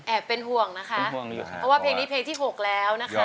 แอบเป็นห่วงนะคะเพราะว่าเพลงนี้เพลงที่๖แล้วนะคะ